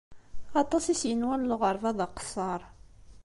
Aṭas i s-yenwan lɣeṛba d aqesseṛ.